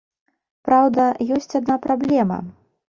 Праўда, ёсць адна праблема.